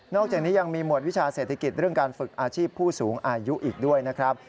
อกจากนี้ยังมีหมวดวิชาเศรษฐกิจเรื่องการฝึกอาชีพผู้สูงอายุอีกด้วยนะครับ